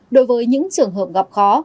đối với những trường hợp gặp khó